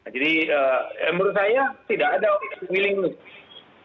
jadi menurut saya tidak ada willingness